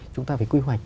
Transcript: chúng ta phải quy hoạch